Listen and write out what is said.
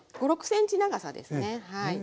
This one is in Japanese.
５６ｃｍ長さですねはい。